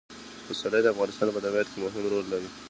پسرلی د افغانستان په طبیعت کې مهم رول لري.